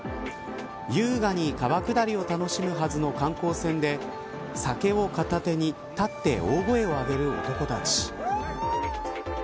優雅に川下りを楽しむはずの観光船で酒を片手に立って大声を上げる男たち。